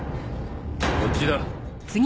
こっちだ。